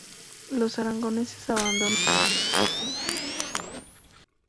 Los aragoneses abandonaron Olmedo esa misma noche.